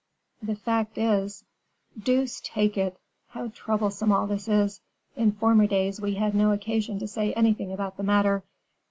"The fact is " "Deuce take it! how troublesome all this is! In former days we had no occasion to say anything about the matter.